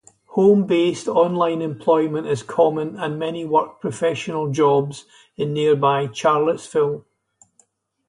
Home based, online employment is common and many work professional jobs in nearby Charlottesville.